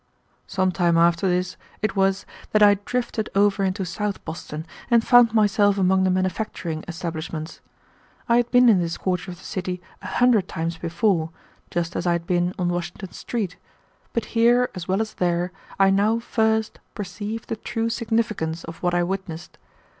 Some time after this it was that I drifted over into South Boston and found myself among the manufacturing establishments. I had been in this quarter of the city a hundred times before, just as I had been on Washington Street, but here, as well as there, I now first perceived the true significance of what I witnessed.